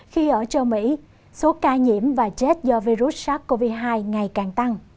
khi ở châu mỹ số ca nhiễm và chết do virus sars cov hai ngày càng tăng